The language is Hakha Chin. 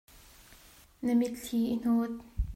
Na mitthli i hnawt.